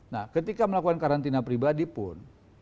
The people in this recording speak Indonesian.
nah ketika melakukan karantina pribadi pun